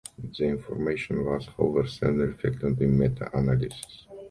The information was, however, seldom reflected in the meta-analyses.